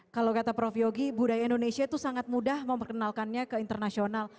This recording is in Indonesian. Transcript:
kalau kata prof yogi budaya indonesia itu sangat mudah memperkenalkannya ke internasional